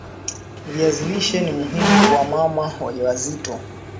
viazi lishe ni muhimu kwa mama wajawazito